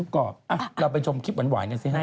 เข้าใจแล้ว